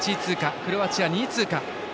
クロアチア、２位通過。